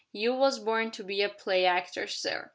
You was born to be a play actor, sir!